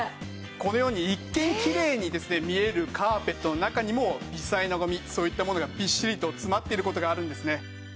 このように一見きれいにですね見えるカーペットの中にも微細なゴミそういったものがびっしりと詰まってる事があるんですね。